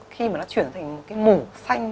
khi mà nó chuyển thành một cái mũ xanh